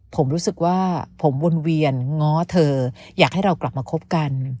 ผมรู้สึกว่าผมวนเวียนง้อเธออยากให้เรากลับมาคบกัน